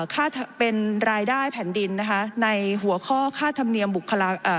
ค่าเป็นรายได้แผ่นดินนะคะในหัวข้อค่าธรรมเนียมบุคลา